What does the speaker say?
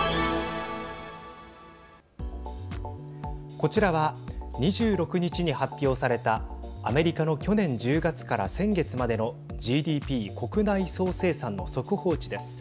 こちらは２６日に発表されたアメリカの去年１０月から先月までのＧＤＰ＝国内総生産の速報値です。